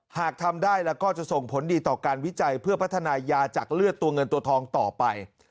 หากทำได้แล้วก็จะส่งผลดีต่อการวิจัยเพื่อพัฒนายาจากเลือดตัวเงินตัวทองต่อไป